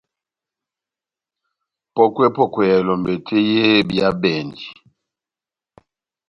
Pɔ́kwɛ-pɔ́kwɛ ya elɔmbɛ tɛ́h yé ehábíyabɛndi.